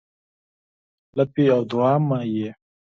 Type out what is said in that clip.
لپې او دوعا مې یې